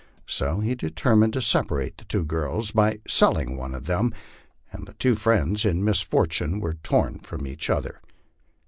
So he determined to separate the two girls by selling one of them ; and the two friends in misfortune were torn from each other.